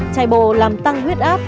chạy bộ làm tăng huyết áp